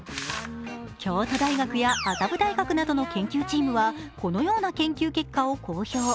京都大学や麻布大学などの研究チームはこのような研究結果を公表。